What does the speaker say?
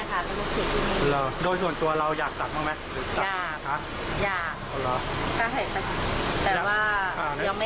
ใช่ค่ะเป็นลูกศิษย์ที่นี่โดยส่วนตัวเราอยากสักมากมั้ย